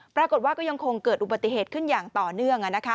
ปรากฏว่าก็ยังคงเกิดอุบัติเหตุขึ้นอย่างต่อเนื่อง